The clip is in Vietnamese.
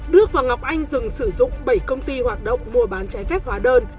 đức và ngọc anh dừng sử dụng bảy công ty hoạt động mua bán trái phép hóa đơn